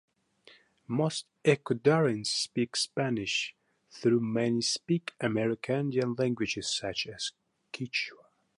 Most Ecuadorians speak Spanish, though many speak Amerindian languages such as Kichwa.